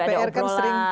kita di dpr kan sering